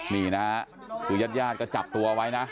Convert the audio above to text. นี่นะคือยาจก็จับตัวไว้นะ